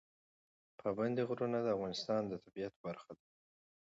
پابندی غرونه د افغانستان د طبیعت برخه ده.